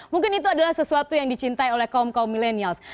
mungkin itu adalah sesuatu yang dicintai oleh kaum kaum milenials